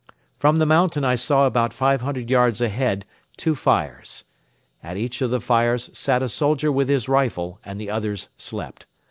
From the mountain I saw about five hundred yards ahead two fires. At each of the fires sat a soldier with his rifle and the others slept.